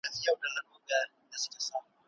افغانان غواړي په یوه لوی پارک کي